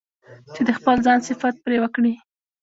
چې د خپل ځان صفت پرې وکړي.